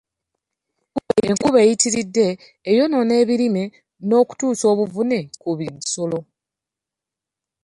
Enkuba eyitiridde eyonoona ebirime n'okutuusa obuvune ku nsolo